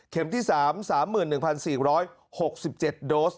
เข็มที่สามสามหมื่นหนึ่งพันสี่ร้อยหกสิบเจ็ดโดส